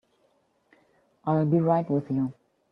I'll be right with you.